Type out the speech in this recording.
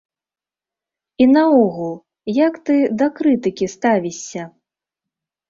І наогул, як ты да крытыкі ставішся?